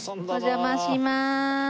お邪魔します。